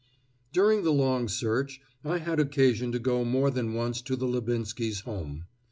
During the long search, I had occasion to go more than once to the Lubinskys' home.